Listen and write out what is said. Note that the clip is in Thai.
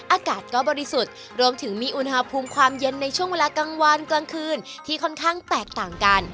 อากาศก็บริสุทธิ์รวมถึงมีอุณหภูมิความเย็นในช่วงเวลากลางวันกลางคืนที่ค่อนข้างแตกต่างกัน